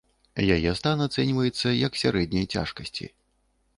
Яе стан ацэньваецца як сярэдняй цяжкасці.